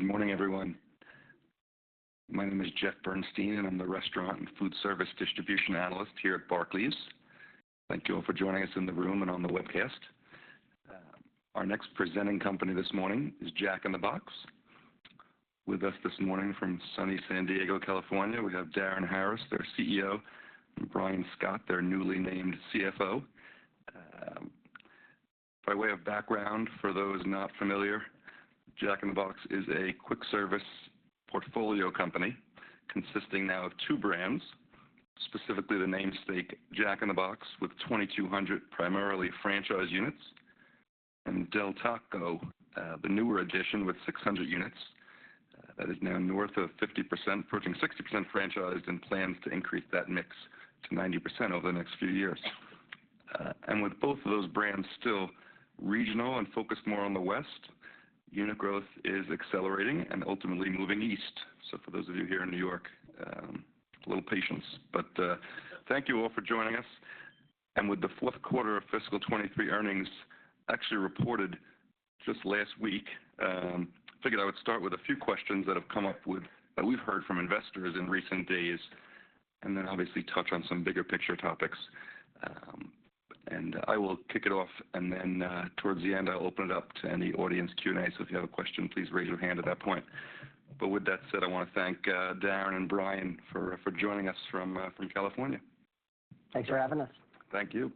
Good morning, everyone. My name is Jeff Bernstein, and I'm the restaurant and food service distribution analyst here at Barclays. Thank you all for joining us in the room and on the webcast. Our next presenting company this morning is Jack in the Box. With us this morning from sunny San Diego, California, we have Darin Harris, their CEO, and Brian Scott, their newly named CFO. By way of background, for those not familiar, Jack in the Box is a quick service portfolio company consisting now of two brands, specifically the namesake Jack in the Box, with 2,200 primarily franchise units, and Del Taco, the newer addition with 600 units that is now north of 50%, approaching 60% franchised, and plans to increase that mix to 90% over the next few years. With both of those brands still regional and focused more on the West, unit growth is accelerating and ultimately moving east. So for those of you here in New York, a little patience. Thank you all for joining us. With the fourth quarter of fiscal 2023 earnings actually reported just last week, I figured I would start with a few questions that we've heard from investors in recent days, and then obviously touch on some bigger picture topics. I will kick it off, and then, towards the end, I'll open it up to any audience Q&A. So if you have a question, please raise your hand at that point. With that said, I want to thank Darin and Brian for joining us from California. Thanks for having us. Thank you.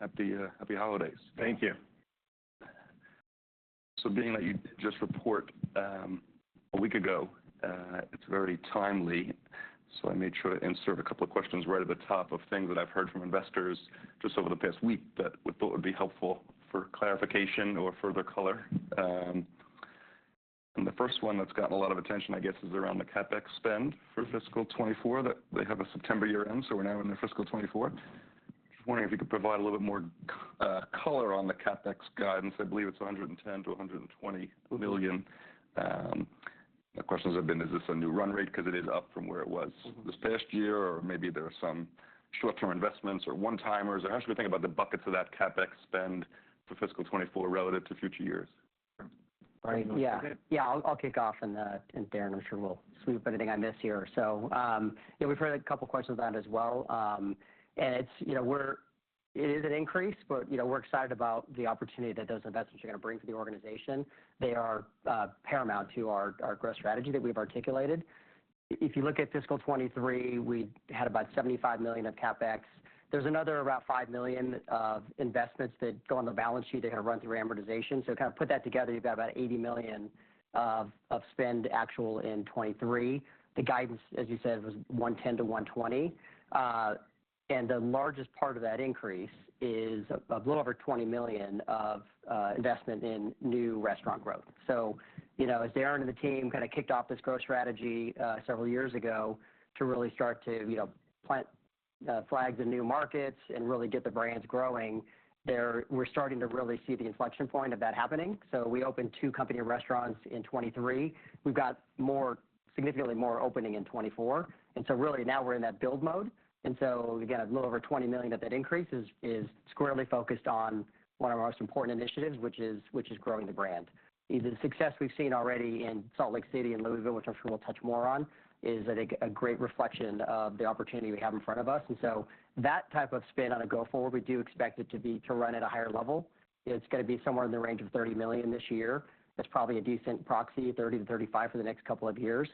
Happy, happy holidays. Thank you. So being that you did just report a week ago, it's very timely. So I made sure to insert a couple of questions right at the top of things that I've heard from investors just over the past week that we thought would be helpful for clarification or further color. And the first one that's gotten a lot of attention, I guess, is around the CapEx spend for fiscal 2024. That they have a September year-end, so we're now in their fiscal 2024. Just wondering if you could provide a little bit more color on the CapEx guidance. I believe it's $110 million-$120 million. The questions have been: Is this a new run rate? Because it is up from where it was this past year, or maybe there are some short-term investments or one-timers. How should we think about the buckets of that CapEx spend for fiscal 2024 relative to future years? Right. Yeah. Yeah, I'll, I'll kick off on that, and Darin, I'm sure, will sweep anything I miss here. So, yeah, we've heard a couple of questions on that as well. And it's, you know, we're- it is an increase, but, you know, we're excited about the opportunity that those investments are gonna bring to the organization. They are paramount to our, our growth strategy that we've articulated. If you look at fiscal 2023, we had about $75 million of CapEx. There's another about $5 million of investments that go on the balance sheet. They're gonna run through amortization. So kind of put that together, you've got about $80 million of, of spend actual in 2023. The guidance, as you said, was $110 million-$120 million. And the largest part of that increase is a little over $20 million of investment in new restaurant growth. So, you know, as Darin and the team kinda kicked off this growth strategy several years ago to really start to, you know, plant flags in new markets and really get the brands growing, we're starting to really see the inflection point of that happening. So we opened two company restaurants in 2023. We've got more, significantly more opening in 2024, and so really now we're in that build mode. And so again, a little over $20 million of that increase is squarely focused on one of our most important initiatives, which is, which is growing the brand. The success we've seen already in Salt Lake City and Louisville, which I'm sure we'll touch more on, is I think a great reflection of the opportunity we have in front of us, and so that type of spend on a go forward, we do expect it to be, to run at a higher level. It's gonna be somewhere in the range of $30 million this year. That's probably a decent proxy, 30-35 for the next couple of years.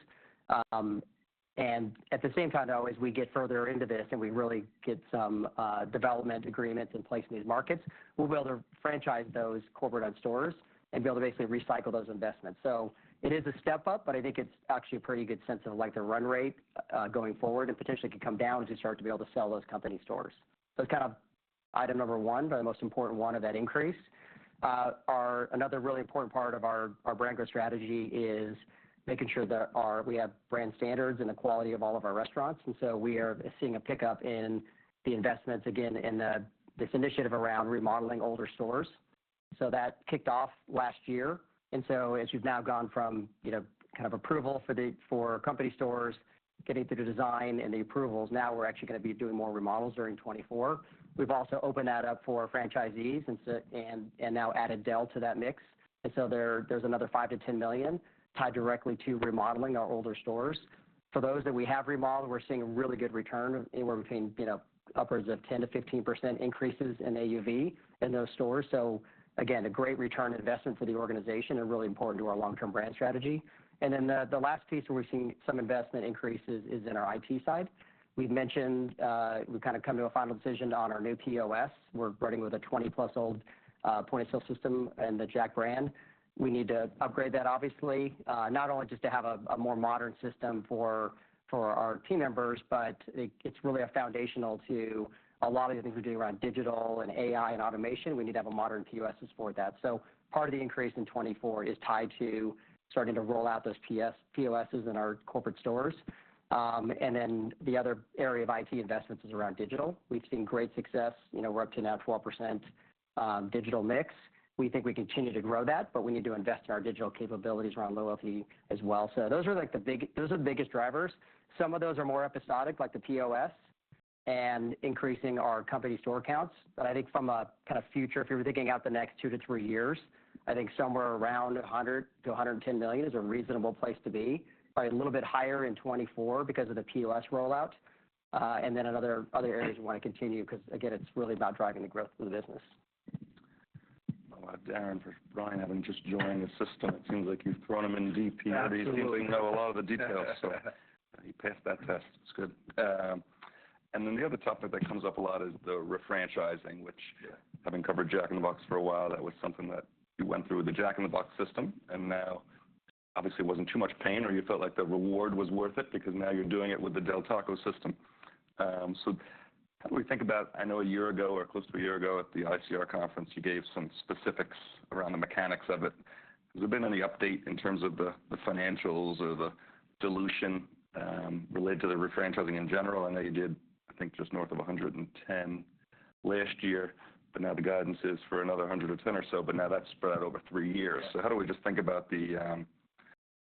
And at the same time, though, as we get further into this and we really get some development agreements in place in these markets, we'll be able to franchise those corporate-led stores and be able to basically recycle those investments. So it is a step up, but I think it's actually a pretty good sense of, like, the run rate going forward, and potentially could come down as we start to be able to sell those company stores. So it's kind of item number one, but the most important one of that increase. Another really important part of our, our brand growth strategy is making sure that our- we have brand standards and the quality of all of our restaurants, and so we are seeing a pickup in the investments again in the, this initiative around remodeling older stores. So that kicked off last year, and so as you've now gone from, you know, kind of approval for the- for company stores, getting through the design and the approvals, now we're actually gonna be doing more remodels during 2024. We've also opened that up for franchisees and so now added Del to that mix. And so there, there's another $5-$10 million tied directly to remodeling our older stores. For those that we have remodeled, we're seeing a really good return, anywhere between, you know, upwards of 10%-15% increases in AUV in those stores. So again, a great return on investment for the organization and really important to our long-term brand strategy. And then the last piece where we're seeing some investment increases is in our IT side. We've mentioned, we've kinda come to a final decision on our new POS. We're running with a 20+-year-old point-of-sale system in the Jack brand. We need to upgrade that, obviously, not only just to have a more modern system for our team members, but it's really foundational to a lot of the things we're doing around digital and AI and automation. We need to have a modern POS to support that. So part of the increase in 2024 is tied to starting to roll out those POSs in our corporate stores. And then the other area of IT investments is around digital. We've seen great success. You know, we're up to now 12% digital mix. We think we continue to grow that, but we need to invest in our digital capabilities around loyalty as well. So those are, like, those are the biggest drivers. Some of those are more episodic, like the POS and increasing our company store counts. I think from a kind of future, if you were thinking out the next 2-3 years, I think somewhere around $100 million-$110 million is a reasonable place to be. Probably a little bit higher in 2024 because of the POS rollout, and then other areas we want to continue, because again, it's really about driving the growth of the business. Well, Darin, for Brian, having just joined the system, it seems like you've thrown him in deep here. Absolutely. He seems to know a lot of the details, so he passed that test. It's good. And then the other topic that comes up a lot is the refranchising, which- Yeah Having covered Jack in the Box for a while, that was something that you went through with the Jack in the Box system, and now obviously it wasn't too much pain, or you felt like the reward was worth it because now you're doing it with the Del Taco system. So how do we think about-- I know a year ago or close to a year ago at the ICR conference, you gave some specifics around the mechanics of it. Has there been any update in terms of the financials or the dilution related to the refranchising in general? I know you did, I think just north of 110 last year, but now the guidance is for another 110 or so, but now that's spread out over three years. Yeah. So how do we just think about the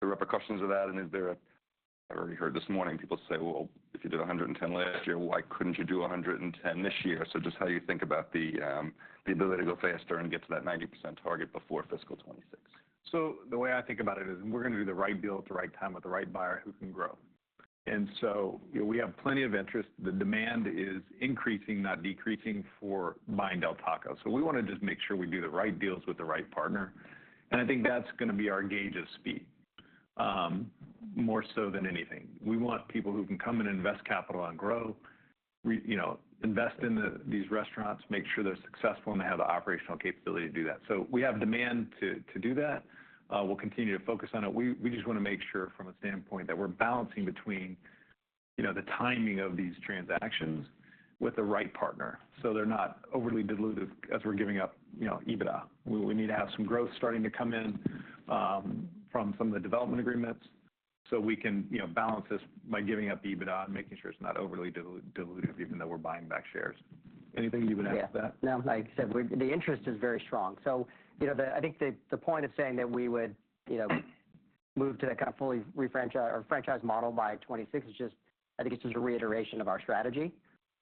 repercussions of that? And is there a... I already heard this morning, people say, "Well, if you did 110 last year, why couldn't you do 110 this year?" So just how you think about the ability to go faster and get to that 90% target before fiscal 2026. So the way I think about it is, we're gonna do the right deal at the right time with the right buyer who can grow. And so, you know, we have plenty of interest. The demand is increasing, not decreasing, for buying Del Taco. So we wanna just make sure we do the right deals with the right partner, and I think that's gonna be our gauge of speed, more so than anything. We want people who can come in and invest capital and grow. We, you know, invest in these restaurants, make sure they're successful, and they have the operational capability to do that. So we have demand to do that. We'll continue to focus on it. We just wanna make sure from a standpoint that we're balancing between, you know, the timing of these transactions with the right partner, so they're not overly dilutive as we're giving up, you know, EBITDA. We need to have some growth starting to come in from some of the development agreements, so we can, you know, balance this by giving up the EBITDA and making sure it's not overly dilutive, even though we're buying back shares. Anything you would add to that? Yeah. No, like I said, we, the interest is very strong. So, you know, the, I think the, the point of saying that we would, you know, move to the kind of fully refranchise or franchise model by 2026 is just, I think, it's just a reiteration of our strategy.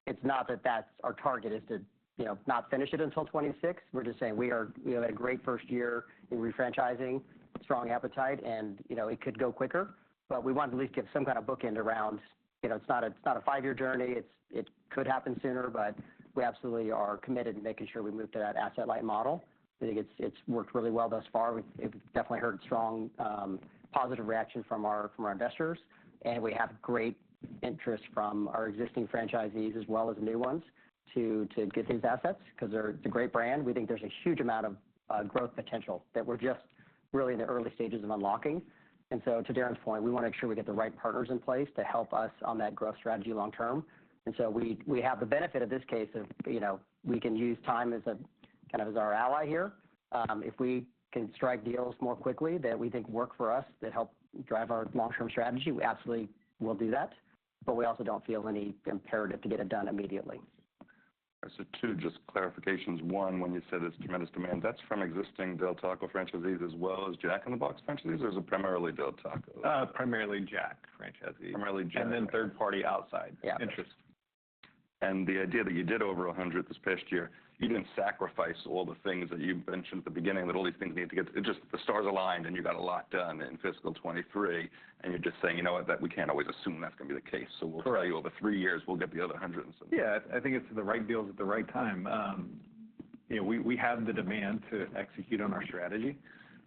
It's not that, that's our target, is to, you know, not finish it until 2026. We're just saying we are... We had a great first year in refranchising, strong appetite, and, you know, it could go quicker, but we want to at least give some kind of bookend around, you know, it's not a, not a five-year journey. It's, it could happen sooner, but we absolutely are committed to making sure we move to that asset-light model. I think it's, it's worked really well thus far. We've definitely heard strong positive reaction from our investors, and we have great interest from our existing franchisees, as well as new ones, to get these assets because they're—it's a great brand. We think there's a huge amount of growth potential that we're just really in the early stages of unlocking. And so to Darin's point, we wanna make sure we get the right partners in place to help us on that growth strategy long term. And so we have the benefit of this case of, you know, we can use time as a kind of as our ally here. If we can strike deals more quickly that we think work for us that help drive our long-term strategy, we absolutely will do that, but we also don't feel any imperative to get it done immediately. Two just clarifications. One, when you said there's tremendous demand, that's from existing Del Taco franchisees as well as Jack in the Box franchisees, or is it primarily Del Taco? Primarily Jack franchisees. Primarily Jack. And then third party outside- Yeah. Interesting. The idea that you did over 100 this past year, you didn't sacrifice all the things that you mentioned at the beginning, that all these things need to get... It just, the stars aligned, and you got a lot done in fiscal 2023, and you're just saying: You know what? That we can't always assume that's gonna be the case. Correct. We'll tell you, over three years, we'll get the other 100 and some. Yeah, I think it's the right deals at the right time. You know, we have the demand to execute on our strategy,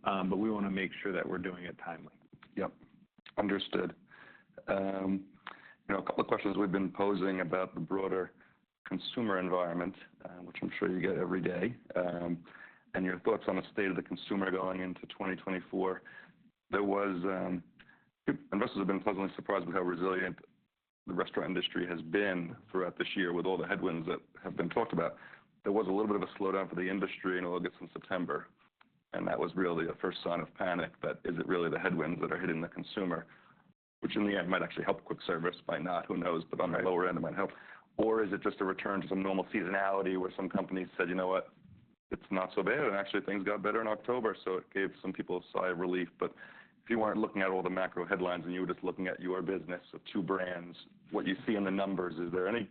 but we wanna make sure that we're doing it timely. Yep. Understood. You know, a couple of questions we've been posing about the broader consumer environment, which I'm sure you get every day, and your thoughts on the state of the consumer going into 2024. There was, investors have been pleasantly surprised with how resilient the restaurant industry has been throughout this year, with all the headwinds that have been talked about. There was a little bit of a slowdown for the industry in August and September, and that was really the first sign of panic, but is it really the headwinds that are hitting the consumer? Which in the end, might actually help quick service by not, who knows, but on- Right... the lower end, it might help. Or is it just a return to some normal seasonality, where some companies said, "You know what? It's not so bad," and actually things got better in October, so it gave some people a sigh of relief. But if you weren't looking at all the macro headlines and you were just looking at your business of two brands, what you see in the numbers, is there any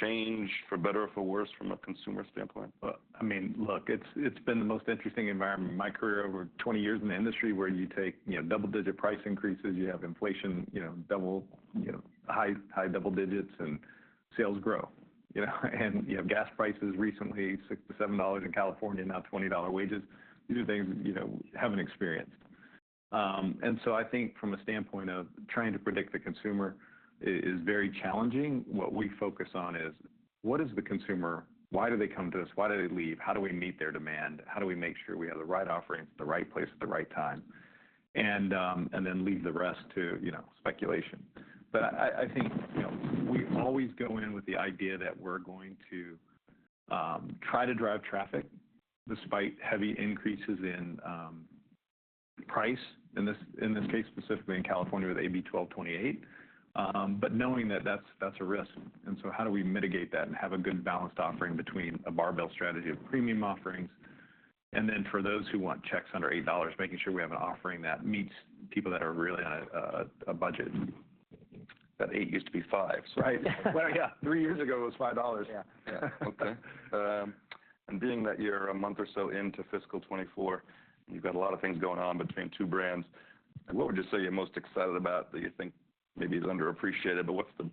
change, for better or for worse, from a consumer standpoint? Well, I mean, look, it's, it's been the most interesting environment in my career, over 20 years in the industry, where you take, you know, double-digit price increases, you have inflation, you know, double, you know, high, high double digits, and sales grow. You know, and, you know, gas prices recently, $6-$7 in California, now $20 wages. These are things, you know, we haven't experienced. And so I think from a standpoint of trying to predict the consumer is very challenging. What we focus on is: What is the consumer? Why do they come to us? Why do they leave? How do we meet their demand? How do we make sure we have the right offerings at the right place at the right time? And then leave the rest to, you know, speculation. But I think, you know, we always go in with the idea that we're going to try to drive traffic despite heavy increases in price, in this case, specifically in California with AB 1228. But knowing that that's a risk, and so how do we mitigate that and have a good balanced offering between a barbell strategy of premium offerings? And then for those who want checks under $8, making sure we have an offering that meets people that are really on a budget. That 8 used to be 5, so. Right. Well, yeah, three years ago, it was $5. Yeah. Yeah. Okay. And being that you're a month or so into fiscal 2024, you've got a lot of things going on between two brands. What would you say you're most excited about that you think maybe is underappreciated, but what's the--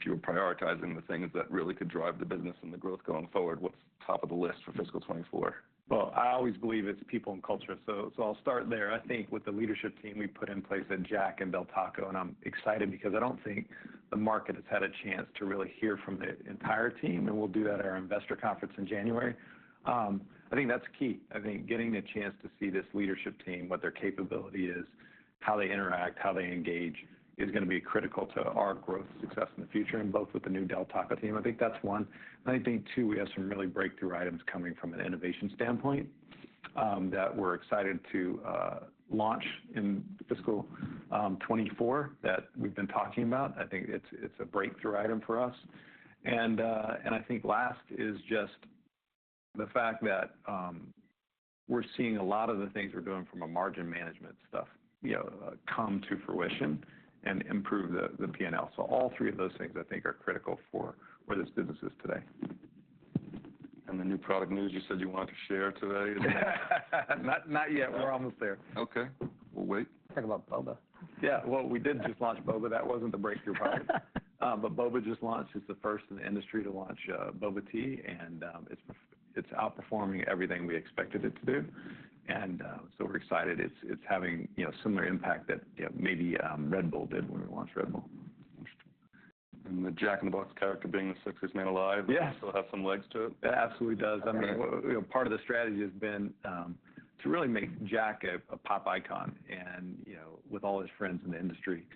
If you were prioritizing the things that really could drive the business and the growth going forward, what's top of the list for fiscal 2024? Well, I always believe it's people and culture, so I'll start there. I think with the leadership team we've put in place at Jack and Del Taco, and I'm excited because I don't think the market has had a chance to really hear from the entire team, and we'll do that at our investor conference in January. I think that's key. I think getting the chance to see this leadership team, what their capability is, how they interact, how they engage, is gonna be critical to our growth success in the future, and both with the new Del Taco team. I think that's one. And I think, two, we have some really breakthrough items coming from an innovation standpoint, that we're excited to launch in fiscal 2024, that we've been talking about. I think it's a breakthrough item for us. I think last is just the fact that we're seeing a lot of the things we're doing from a margin management stuff, you know, come to fruition and improve the P&L. So all three of those things, I think, are critical for where this business is today. The new product news you said you wanted to share today, is that- Not, not yet. We're almost there. Okay. We'll wait. Talk about boba. Yeah. Well, we did just launch boba. That wasn't the breakthrough product. But boba just launched. It's the first in the industry to launch boba tea, and it's outperforming everything we expected it to do, and so we're excited. It's having, you know, similar impact that maybe Red Bull did when we launched Red Bull. Interesting. And the Jack in the Box character being the Sexiest Man Alive- Yeah... still have some legs to it? It absolutely does. Okay. I mean, you know, part of the strategy has been to really make Jack a pop icon and, you know, with all his friends in the industry,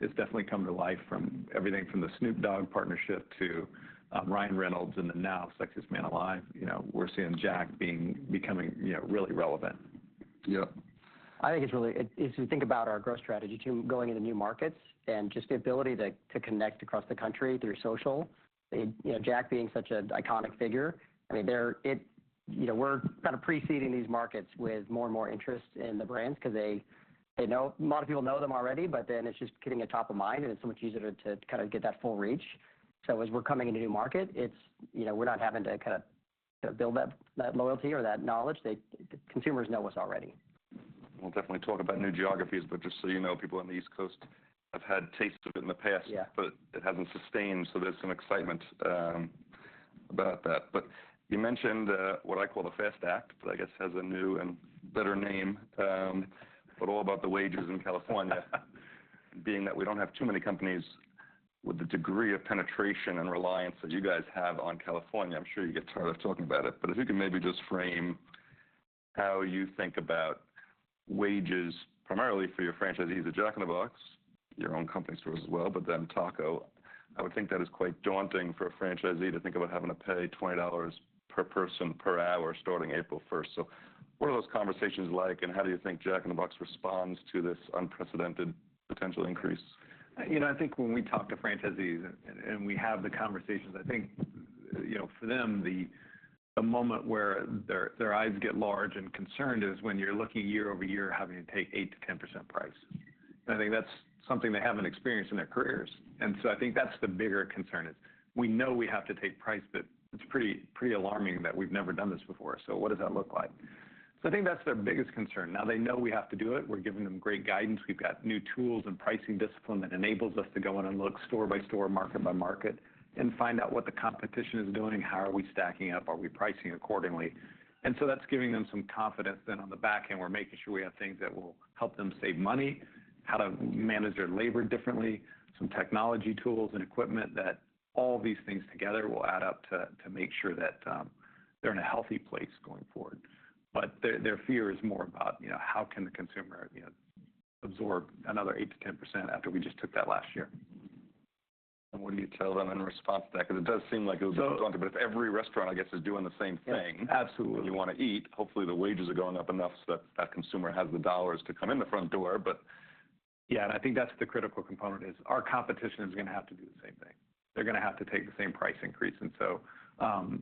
it's definitely coming to life from everything from the Snoop Dogg partnership to Ryan Reynolds, and then now Sexiest Man Alive, you know, we're seeing Jack becoming, you know, really relevant. Yep. I think it's really. If you think about our growth strategy, too, going into new markets and just the ability to connect across the country through social, you know, Jack being such an iconic figure, I mean, they're it. You know, we're kind of preceding these markets with more and more interest in the brands 'cause they know... a lot of people know them already, but then it's just getting it top of mind, and it's so much easier to kinda get that full reach. So as we're coming into a new market, it's, you know, we're not having to kind of, you know, build that loyalty or that knowledge. They consumers know us already. We'll definitely talk about new geographies, but just so you know, people on the East Coast have had tastes of it in the past- Yeah... but it hasn't sustained, so there's some excitement about that. But you mentioned what I call the FAST Act, but I guess has a new and better name, but all about the wages in California. Being that we don't have too many companies with the degree of penetration and reliance that you guys have on California, I'm sure you get tired of talking about it, but if you could maybe just frame how you think about wages, primarily for your franchisees at Jack in the Box, your own company stores as well, but then Taco, I would think that is quite daunting for a franchisee to think about having to pay $20 per person per hour, starting April first. So what are those conversations like, and how do you think Jack in the Box responds to this unprecedented potential increase? You know, I think when we talk to franchisees, and we have the conversations, I think, you know, for them, the moment where their eyes get large and concerned is when you're looking year-over-year, having to take 8%-10% price. And I think that's something they haven't experienced in their careers, and so I think that's the bigger concern is, we know we have to take price, but it's pretty, pretty alarming that we've never done this before, so what does that look like? So I think that's their biggest concern. Now, they know we have to do it. We're giving them great guidance. We've got new tools and pricing discipline that enables us to go in and look store by store, market by market and find out what the competition is doing and how are we stacking up, are we pricing accordingly? And so that's giving them some confidence. Then on the back end, we're making sure we have things that will help them save money, how to manage their labor differently, some technology tools and equipment that all these things together will add up to, to make sure that, they're in a healthy place going forward. But their, their fear is more about, you know, how can the consumer, you know, absorb another 8%-10% after we just took that last year? What do you tell them in response to that? Because it does seem like it would be daunting- So-... but if every restaurant, I guess, is doing the same thing- Absolutely... and you wanna eat, hopefully, the wages are going up enough so that that consumer has the dollars to come in the front door, but. Yeah, and I think that's the critical component is, our competition is gonna have to do the same thing. They're gonna have to take the same price increase. And so, you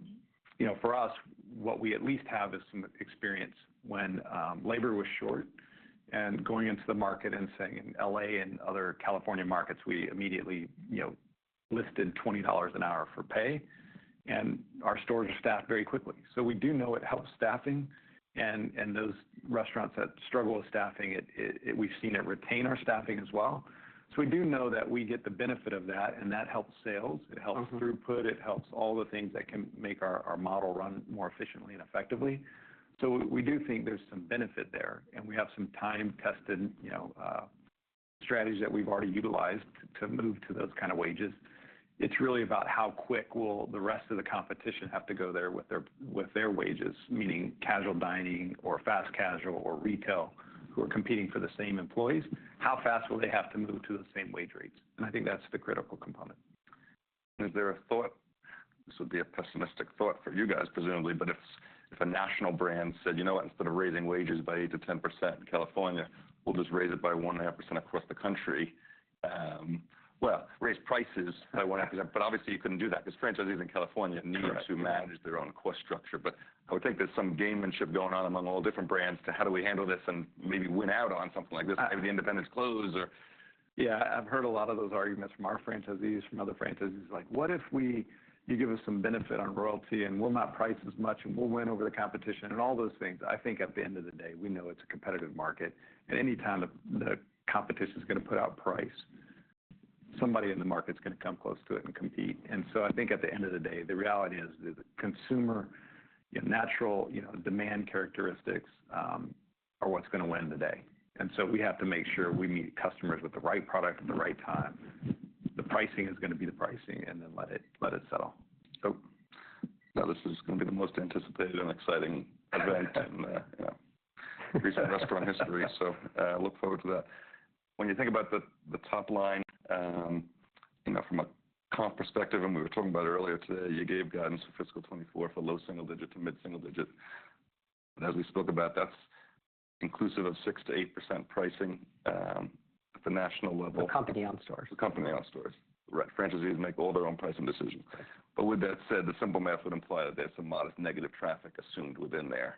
know, for us, what we at least have is some experience when labor was short, and going into the market and saying, in L.A. and other California markets, we immediately, you know, listed $20 an hour for pay, and our stores staffed very quickly. So we do know it helps staffing, and those restaurants that struggle with staffing, it we've seen it retain our staffing as well. So we do know that we get the benefit of that, and that helps sales- Mm-hmm... it helps throughput, it helps all the things that can make our model run more efficiently and effectively. So we do think there's some benefit there, and we have some time-tested, you know, strategies that we've already utilized to move to those kind of wages. It's really about how quick will the rest of the competition have to go there with their wages, meaning casual dining or fast casual or retail, who are competing for the same employees. How fast will they have to move to the same wage rates? And I think that's the critical component.... Is there a thought, this would be a pessimistic thought for you guys, presumably, but if a national brand said, "You know what? Instead of raising wages by 8%-10% in California, we'll just raise it by 1.5% across the country." Well, raise prices by 1.5%, but obviously, you couldn't do that, because franchisees in California need- Correct to manage their own cost structure. But I would think there's some gamesmanship going on among all different brands to how do we handle this and maybe win out on something like this, maybe the independents close or? Yeah, I've heard a lot of those arguments from our franchisees, from other franchisees, like, "What if we-- you give us some benefit on royalty, and we'll not price as much, and we'll win over the competition," and all those things. I think at the end of the day, we know it's a competitive market, and anytime the competition is gonna put out price, somebody in the market is gonna come close to it and compete. And so I think at the end of the day, the reality is, that the consumer, your natural, you know, demand characteristics, are what's gonna win the day. And so we have to make sure we meet customers with the right product at the right time. The pricing is gonna be the pricing, and then let it, let it settle. So now, this is gonna be the most anticipated and exciting event in recent restaurant history, so look forward to that. When you think about the top line, you know, from a comp perspective, and we were talking about it earlier today, you gave guidance for fiscal 2024 for low single digit to mid single digit. And as we spoke about, that's inclusive of 6%-8% pricing at the national level. The company-owned stores. The company-owned stores, right. Franchisees make all their own pricing decisions. Right. But with that said, the simple math would imply that there's some modest negative traffic assumed within there.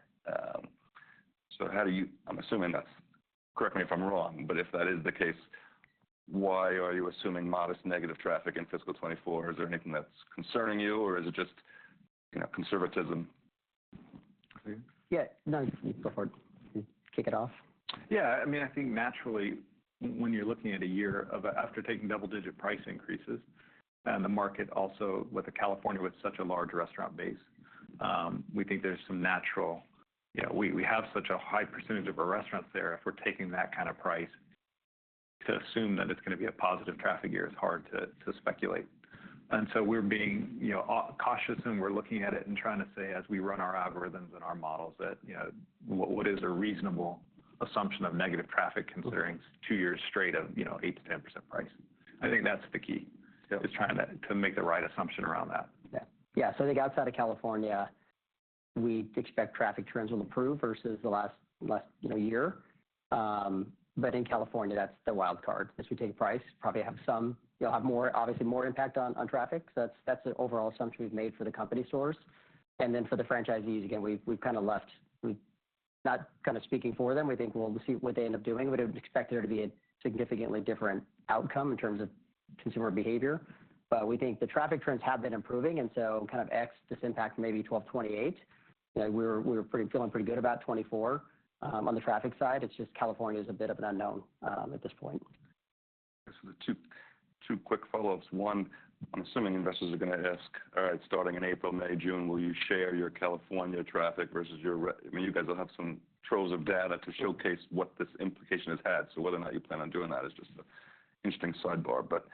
So how do you... I'm assuming that's, correct me if I'm wrong, but if that is the case, why are you assuming modest negative traffic in fiscal 2024? Is there anything that's concerning you, or is it just, you know, conservatism? Yeah. No, you go forward. Kick it off. Yeah, I mean, I think naturally, when you're looking at a year of, after taking double-digit price increases, and the market also with the California, with such a large restaurant base, we think there's some natural... You know, we have such a high percentage of our restaurants there, if we're taking that kind of price, to assume that it's gonna be a positive traffic year is hard to speculate. And so we're being, you know, cautious, and we're looking at it and trying to say, as we run our algorithms and our models, that, you know, what is a reasonable assumption of negative traffic, considering two years straight of, you know, 8%-10% price? I think that's the key- Yeah... is trying to make the right assumption around that. Yeah. Yeah, so I think outside of California, we expect traffic trends will improve versus the last year. But in California, that's the wild card. As we take price, probably have some you'll have more, obviously, more impact on traffic. So that's the overall assumption we've made for the company stores. And then for the franchisees, again, we've kind of left we not kind of speaking for them. We think we'll see what they end up doing. We would expect there to be a significantly different outcome in terms of consumer behavior. But we think the traffic trends have been improving, and so kind of ex this impact may be AB 1228. Yeah, we're feeling pretty good about 2024. On the traffic side, it's just California is a bit of an unknown at this point. So two, two quick follow-ups. One, I'm assuming investors are gonna ask, all right, starting in April, May, June, will you share your California traffic versus your re- I mean, you guys will have some troves of data to showcase what this implication has had. So whether or not you plan on doing that is just an interesting sidebar, but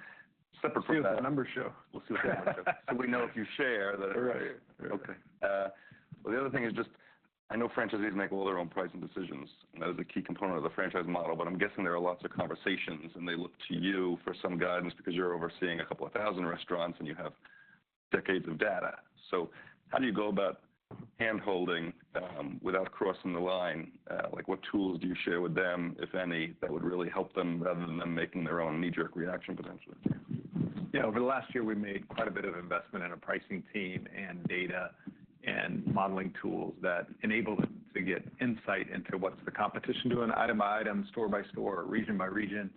separate from that- We'll see what the numbers show. We'll see what the numbers show. So we know if you share, then- Right. Okay. Well, the other thing is just, I know franchisees make all their own pricing decisions, and that is a key component of the franchise model. But I'm guessing there are lots of conversations, and they look to you for some guidance because you're overseeing a couple of thousand restaurants, and you have decades of data. So how do you go about handholding without crossing the line? Like, what tools do you share with them, if any, that would really help them, rather than them making their own knee-jerk reaction, potentially? Yeah. Over the last year, we made quite a bit of investment in a pricing team, and data, and modeling tools that enable them to get insight into what's the competition doing item by item, store by store, region by region.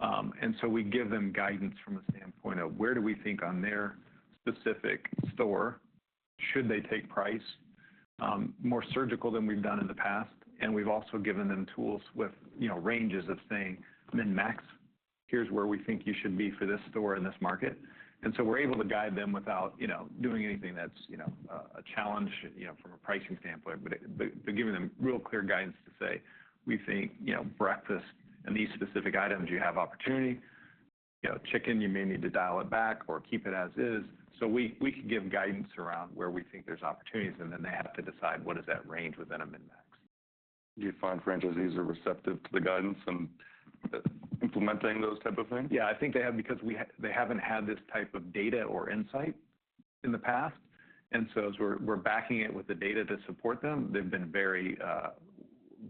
And so we give them guidance from a standpoint of where do we think on their specific store, should they take price? More surgical than we've done in the past, and we've also given them tools with, you know, ranges of saying, min-max, here's where we think you should be for this store in this market. And so we're able to guide them without, you know, doing anything that's, you know, a challenge, you know, from a pricing standpoint. But, but, but giving them real clear guidance to say: We think, you know, breakfast and these specific items, you have opportunity. You know, chicken, you may need to dial it back or keep it as is. So we can give guidance around where we think there's opportunities, and then they have to decide what is that range within a min-max. Do you find franchisees are receptive to the guidance and implementing those type of things? Yeah, I think they have because they haven't had this type of data or insight in the past. And so as we're backing it with the data to support them, they've been very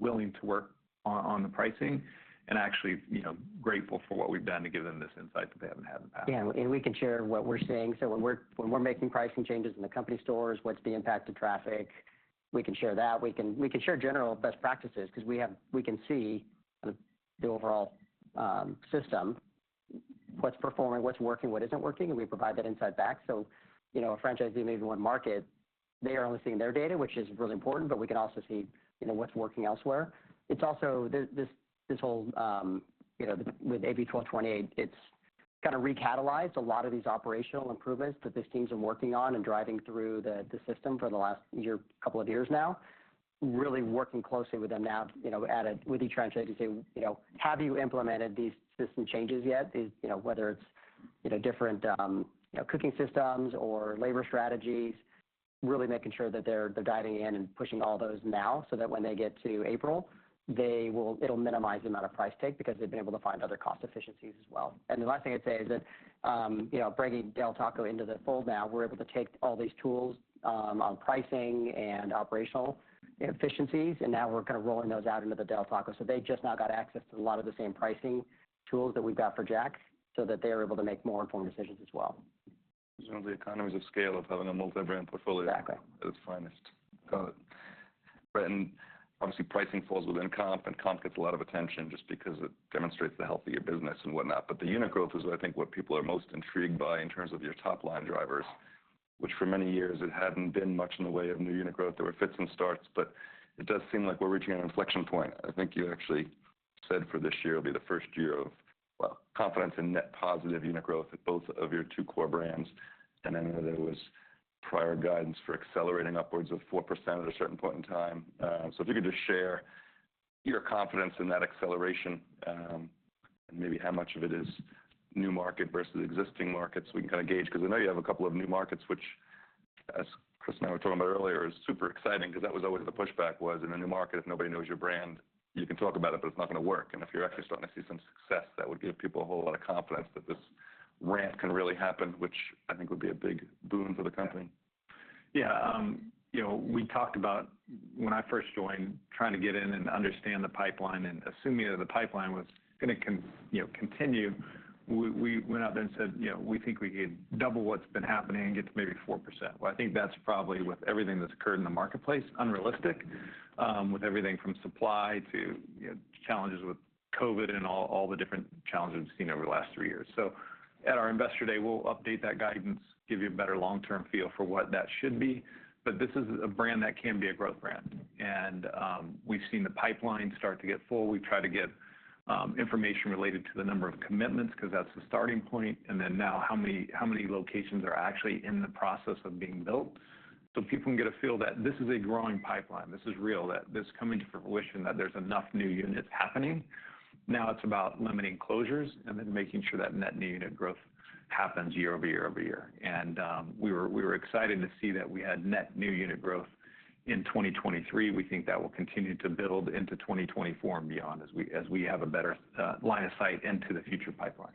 willing to work on the pricing and actually, you know, grateful for what we've done to give them this insight that they haven't had in the past. Yeah, and we can share what we're seeing. So when we're making pricing changes in the company stores, what's the impact to traffic? We can share that. We can share general best practices because we have. We can see the overall system, what's performing, what's working, what isn't working, and we provide that insight back. So, you know, a franchisee in maybe one market, they are only seeing their data, which is really important, but we can also see, you know, what's working elsewhere. It's also this whole, you know, with AB 1228, it's kind of recatalyzed a lot of these operational improvements that these teams have been working on and driving through the system for the last year, couple of years now. Really working closely with them now, you know, with each franchise to say, "You know, have you implemented these system changes yet?" you know, whether it's, you know, different, you know, cooking systems or labor strategies... really making sure that they're diving in and pushing all those now, so that when they get to April, it'll minimize the amount of price take because they've been able to find other cost efficiencies as well. The last thing I'd say is that, you know, bringing Del Taco into the fold now, we're able to take all these tools on pricing and operational efficiencies, and now we're kind of rolling those out into the Del Taco. They just now got access to a lot of the same pricing tools that we've got for Jack, so that they're able to make more informed decisions as well. The economies of scale of having a multi-brand portfolio- Exactly at its finest. Got it. Brn, obviously, pricing falls within comp, and comp gets a lot of attention just because it demonstrates the health of your business and whatnot. But the unit growth is, I think, what people are most intrigued by in terms of your top-line drivers, which, for many years, it hadn't been much in the way of new unit growth. There were fits and starts, but it does seem like we're reaching an inflection point. I think you actually said for this year, it'll be the first year of, well, confidence in net positive unit growth at both of your two core brands. And I know there was prior guidance for accelerating upwards of 4% at a certain point in time. So if you could just share your confidence in that acceleration, and maybe how much of it is new market versus existing markets, we can kind of gauge. Because I know you have a couple of new markets, which, as Chris and I were talking about earlier, is super exciting because that was always the pushback was, in a new market, if nobody knows your brand, you can talk about it, but it's not gonna work. And if you're actually starting to see some success, that would give people a whole lot of confidence that this ramp can really happen, which I think would be a big boon for the company. Yeah, you know, we talked about when I first joined, trying to get in and understand the pipeline and assuming that the pipeline was gonna continue, we went out there and said, "You know, we think we can double what's been happening and get to maybe 4%." Well, I think that's probably, with everything that's occurred in the marketplace, unrealistic, with everything from supply to, you know, challenges with COVID and all the different challenges we've seen over the last three years. So at our Investor Day, we'll update that guidance, give you a better long-term feel for what that should be. But this is a brand that can be a growth brand. And, we've seen the pipeline start to get full. We've tried to get information related to the number of commitments, because that's the starting point, and then now, how many, how many locations are actually in the process of being built. So people can get a feel that this is a growing pipeline, this is real, that this is coming to fruition, that there's enough new units happening. Now it's about limiting closures and then making sure that net new unit growth happens year over year over year. And we were excited to see that we had net new unit growth in 2023. We think that will continue to build into 2024 and beyond, as we have a better line of sight into the future pipeline.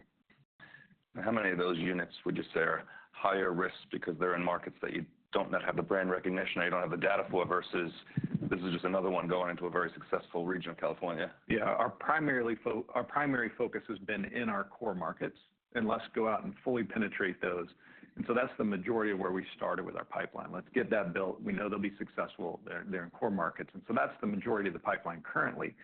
How many of those units would you say are higher risk because they're in markets that you don't yet have the brand recognition, or you don't have the data for, versus this is just another one going into a very successful region of California? Yeah, our primary focus has been in our core markets, and let's go out and fully penetrate those. And so that's the majority of where we started with our pipeline. Let's get that built. We know they'll be successful, they're in core markets, and so that's the majority of the pipeline currently.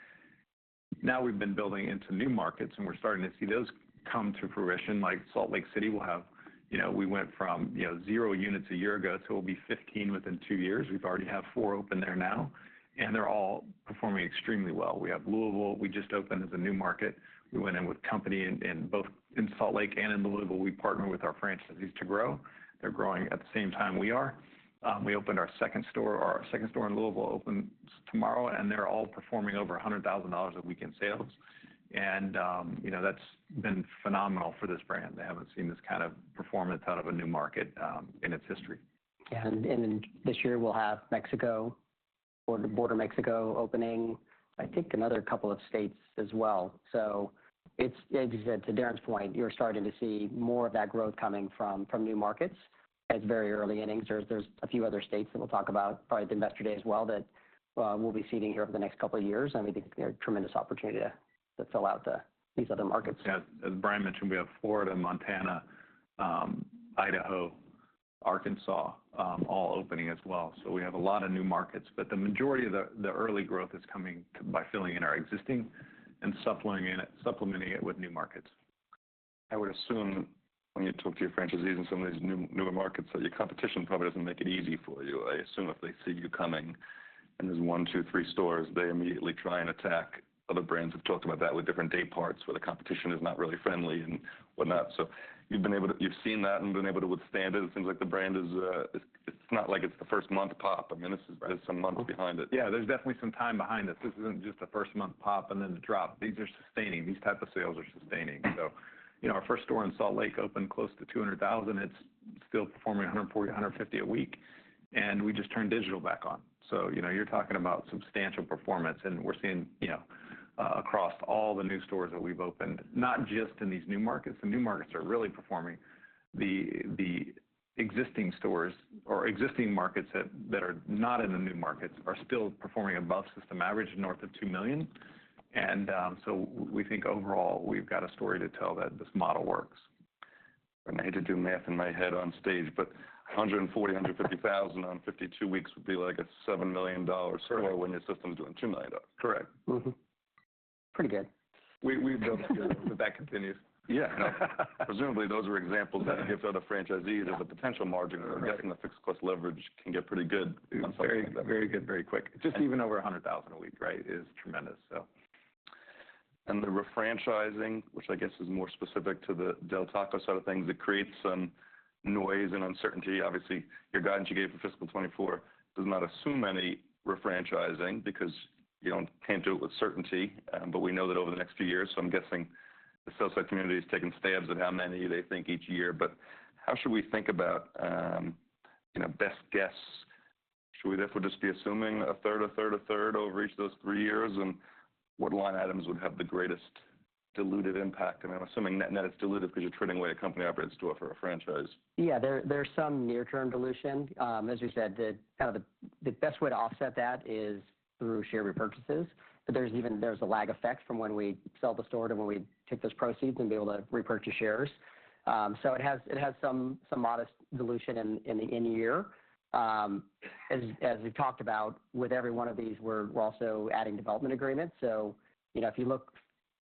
Now, we've been building into new markets, and we're starting to see those come to fruition. Like Salt Lake City, we'll have... You know, we went from, you know, 0 units a year ago to what will be 15 within 2 years. We've already have 4 open there now, and they're all performing extremely well. We have Louisville, we just opened as a new market. We went in with company in, in both in Salt Lake and in Louisville, we partner with our franchisees to grow. They're growing at the same time we are. We opened our second store, or our second store in Louisville opened tomorrow, and they're all performing over $100,000 a week in sales. And, you know, that's been phenomenal for this brand. They haven't seen this kind of performance out of a new market, in its history. Yeah, and then this year, we'll have Mexico, or the border Mexico opening, I think another couple of states as well. So it's, it's... To Darin's point, you're starting to see more of that growth coming from, from new markets. It's very early innings. There's, there's a few other states that we'll talk about, probably at the Investor Day as well, that we'll be seeding here over the next couple of years, and we think there's tremendous opportunity to, to fill out these other markets. Yeah, as Brian mentioned, we have Florida, Montana, Idaho, Arkansas, all opening as well. So we have a lot of new markets, but the majority of the early growth is coming by filling in our existing and supplementing it with new markets. I would assume when you talk to your franchisees in some of these new, newer markets, that your competition probably doesn't make it easy for you. I assume if they see you coming, and there's one, two, three stores, they immediately try and attack. Other brands have talked about that with different day parts, where the competition is not really friendly and whatnot. So you've been able to- you've seen that and been able to withstand it. It seems like the brand is... It's, it's not like it's the first month pop. I mean, this is- Right... there's some months behind it. Yeah, there's definitely some time behind this. This isn't just a first-month pop and then drop. These are sustaining. These type of sales are sustaining. So, you know, our first store in Salt Lake opened close to $200,000. It's still performing $140-$150 a week, and we just turned digital back on. So, you know, you're talking about substantial performance, and we're seeing, you know, across all the new stores that we've opened, not just in these new markets. The new markets are really performing. The existing stores or existing markets that are not in the new markets are still performing above system average, north of $2 million. And, so we think overall, we've got a story to tell, that this model works. I hate to do math in my head on stage, but 140, 150 thousand on 52 weeks would be like a $7 million store- Correct... when your system's doing $2 million. Correct. Mm-hmm. Pretty good. We've built, but that continues. Yeah. Presumably, those are examples that give other franchisees of the potential margin- Right... or getting the fixed cost leverage can get pretty good on some- Very, very good, very quick. Just even over $100,000 a week, right, is tremendous, so. And the refranchising, which I guess is more specific to the Del Taco side of things, it creates some noise and uncertainty. Obviously, your guidance you gave for fiscal 2024 does not assume any refranchising because you don't, can't do it with certainty, but we know that over the next few years, so I'm guessing the sell side community is taking stabs at how many they think each year. But how should we think about, you know, best guess? Should we therefore just be assuming a third, a third, a third over each of those three years, and what line items would have the greatest diluted impact? And I'm assuming net-net it's diluted because you're trading away a company-operated store for a franchise. Yeah. There's some near-term dilution. As you said, the best way to offset that is through share repurchases, but there's even a lag effect from when we sell the store to when we take those proceeds and be able to repurchase shares. So it has some modest dilution in the year. As we've talked about, with every one of these, we're also adding development agreements. So, you know, if you look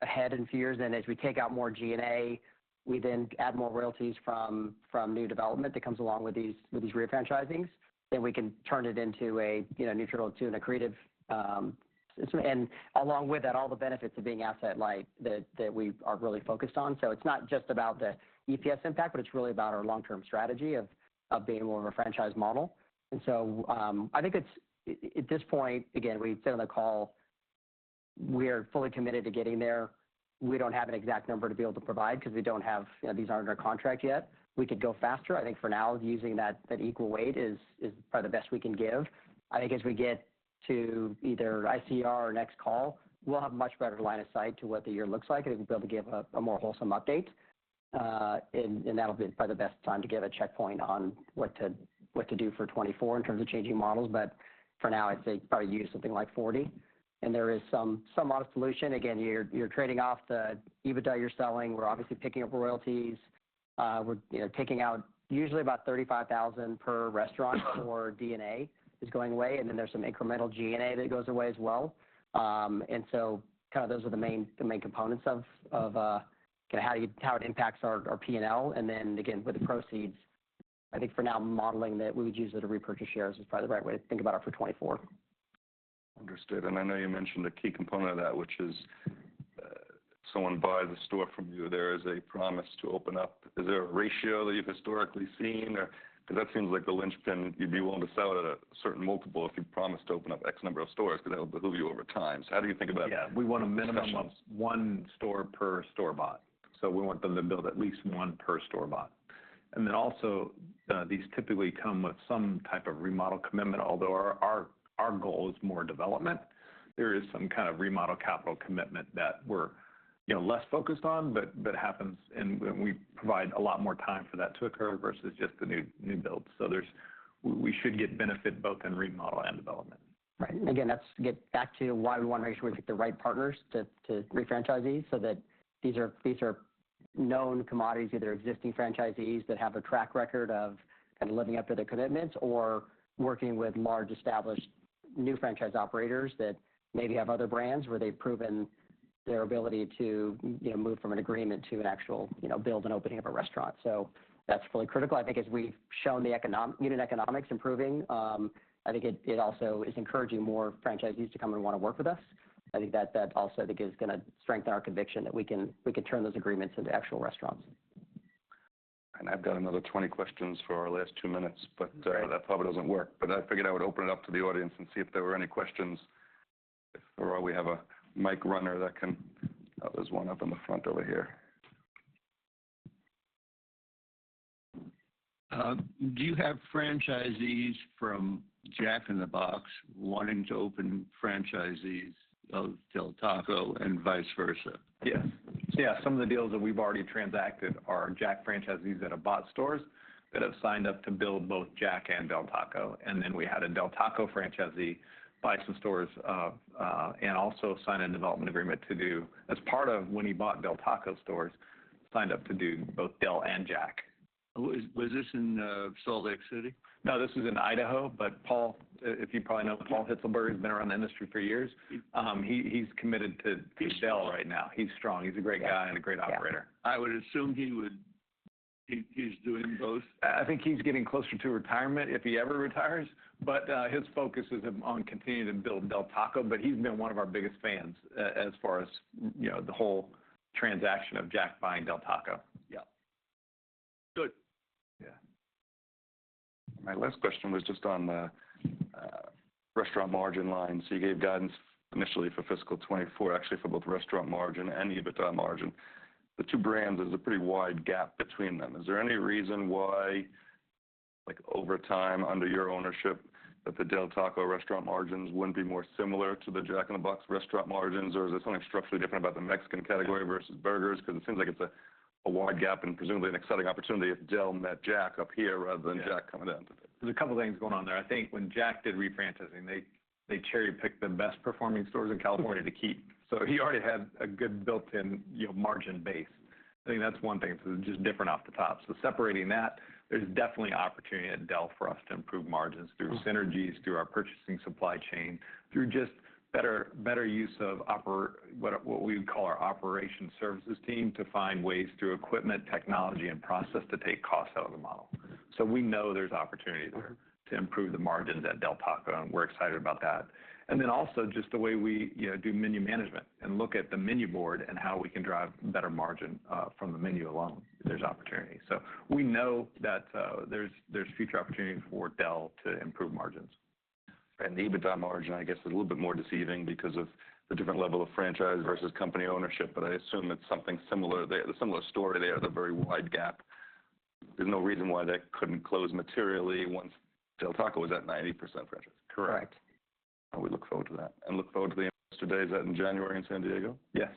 ahead in a few years, then as we take out more G&A, we then add more royalties from new development that comes along with these refranchisings, then we can turn it into a, you know, neutral to an accretive system. And along with that, all the benefits of being asset-light that we are really focused on. So it's not just about the EPS impact, but it's really about our long-term strategy of being more of a franchise model. And so, I think it's at this point, again, we've said on the call, we are fully committed to getting there. We don't have an exact number to be able to provide because we don't have, you know, these aren't under contract yet. We could go faster. I think for now, using that equal weight is probably the best we can give. I think as we get to either ICR or next call, we'll have a much better line of sight to what the year looks like, and we'll be able to give a more wholesome update. And that'll be probably the best time to give a checkpoint on what to do for 2024 in terms of changing models. But for now, I'd say probably use something like 40. And there is some modest dilution. Again, you're trading off the EBITDA you're selling. We're obviously picking up royalties. We're, you know, taking out usually about $35,000 per restaurant for D&A is going away, and then there's some incremental G&A that goes away as well. And so kind of those are the main components of kind of how it impacts our P&L. And then again, with the proceeds, I think for now, modeling that we would use it to repurchase shares is probably the right way to think about it for 2024. Understood. And I know you mentioned a key component of that, which is, someone buys a store from you, there is a promise to open up. Is there a ratio that you've historically seen or... Because that seems like the linchpin. You'd be willing to sell it at a certain multiple if you promise to open up X number of stores, because that'll behoove you over time. So how do you think about- Yeah. - discussions? We want a minimum of one store per store bought. So we want them to build at least one per store bought. And then also, these typically come with some type of remodel commitment, although our goal is more development. There is some kind of remodel capital commitment that we're, you know, less focused on, but happens and when we provide a lot more time for that to occur versus just the new build. So we should get benefit both in remodel and development. Right. And again, that's to get back to why we want to make sure we get the right partners to refranchise, so that these are known commodities, either existing franchisees that have a track record of kind of living up to their commitments, or working with large, established new franchise operators that maybe have other brands, where they've proven their ability to, you know, move from an agreement to an actual, you know, build and opening up a restaurant. So that's fully critical. I think as we've shown the unit economics improving, I think it also is encouraging more franchisees to come and want to work with us. I think that also, I think, is gonna strengthen our conviction that we can turn those agreements into actual restaurants. I've got another 20 questions for our last 2 minutes, but- Right... that probably doesn't work. But I figured I would open it up to the audience and see if there were any questions, or we have a mic runner that can- oh, there's one up in the front over here. Do you have franchisees from Jack in the Box wanting to open franchisees of Del Taco and vice versa? Yes. Yeah, some of the deals that we've already transacted are Jack franchisees that have bought stores that have signed up to build both Jack and Del Taco. And then we had a Del Taco franchisee buy some stores and also sign a development agreement to do, as part of when he bought Del Taco stores, signed up to do both Del and Jack. Was this in Salt Lake City? No, this was in Idaho, but Paul, if you probably know, Paul Hitzelberger has been around the industry for years. He’s committed to, to Del right now. He’s strong. He’s a great guy- Yeah. and a great operator. Yeah. I would assume he's doing both? I think he's getting closer to retirement, if he ever retires. But, his focus is on continuing to build Del Taco, but he's been one of our biggest fans as far as, you know, the whole transaction of Jack buying Del Taco. Yeah. Good. Yeah. My last question was just on the restaurant margin line. So you gave guidance initially for fiscal 2024, actually for both restaurant margin and EBITDA margin. The two brands, there's a pretty wide gap between them. Is there any reason why, like, over time, under your ownership, that the Del Taco restaurant margins wouldn't be more similar to the Jack in the Box restaurant margins? Or is there something structurally different about the Mexican category versus burgers? Because it seems like it's a wide gap and presumably an exciting opportunity if Del met Jack up here rather than- Yeah Jack coming down to there. There's a couple things going on there. I think when Jack did refranchising, they cherry-picked the best performing stores in California to keep. So he already had a good built-in, you know, margin base. I think that's one thing, so just different off the top. So separating that, there's definitely opportunity at Del for us to improve margins through synergies, through our purchasing supply chain, through just better use of what we would call our operation services team, to find ways through equipment, technology, and process to take costs out of the model. So we know there's opportunity there- Mm-hmm... to improve the margins at Del Taco, and we're excited about that. And then also, just the way we, you know, do menu management and look at the menu board and how we can drive better margin, from the menu alone, there's opportunity. So we know that, there's future opportunity for Del to improve margins. The EBITDA margin, I guess, is a little bit more deceiving because of the different level of franchise versus company ownership, but I assume it's something similar. A similar story there, the very wide gap. There's no reason why that couldn't close materially once... Del Taco was at 90% franchise? Correct. Correct. We look forward to that. Look forward to the investor day. Is that in January in San Diego? Yes.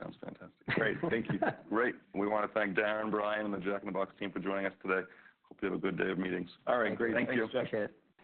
Sounds fantastic. Great. Thank you. Great. We want to thank Darin, Brian, and the Jack in the Box team for joining us today. Hope you have a good day of meetings. All right, great. Thank you. Thanks, Jack. Appreciate it.